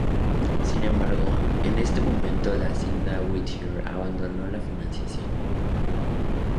Sin embargo, en ese momento la hacienda Whittier abandonó la financiación.